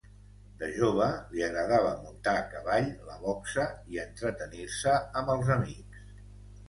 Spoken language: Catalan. De jove li agradava muntar a cavall, la boxa, i entretenir-se amb els amics.